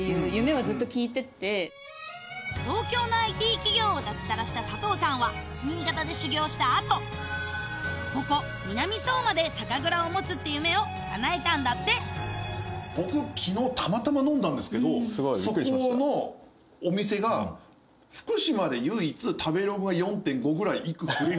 東京のＩＴ企業を脱サラした佐藤さんは新潟で修業した後ここ南相馬で酒蔵を持つって夢をかなえたんだって僕昨日たまたま飲んだんですけどそこのお店が福島で唯一食べログが４．５ぐらいいく。